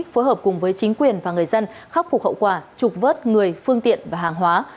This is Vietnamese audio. phối hợp cùng với chính quyền và người dân khắc phục hậu quả trục vớt người phương tiện và hàng hóa